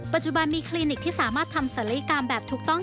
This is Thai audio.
ปัจจุบันมีคลินิกที่สามารถทำศัลยกรรมแบบถูกต้อง